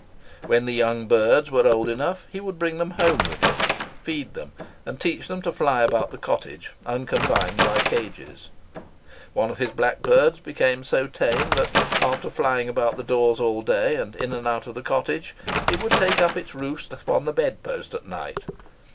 When the young birds were old enough, he would bring them home with him, feed them, and teach them to fly about the cottage unconfined by cages. One of his blackbirds became so tame, that, after flying about the doors all day, and in and out of the cottage, it would take up its roost upon the bed head at night.